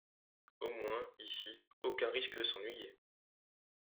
Au moins, ici, aucun risque de s’ennuyer!